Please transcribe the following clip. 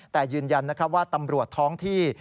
แต่ยืนยันว่าตำรวจท้องที่